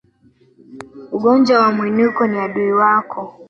Ugonjwa wa Mwinuko ni adui wako